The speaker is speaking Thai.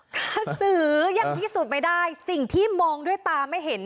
กระสือยังพิสูจน์ไม่ได้สิ่งที่มองด้วยตาไม่เห็น